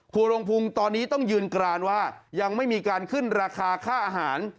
โรงพุงตอนนี้ต้องยืนกรานว่ายังไม่มีการขึ้นราคาค่าอาหาร